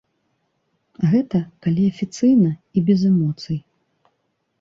Гэта калі афіцыйна і без эмоцый.